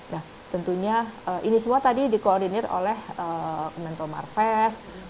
nah tentunya ini semua tadi dikoordinir oleh kementerian marves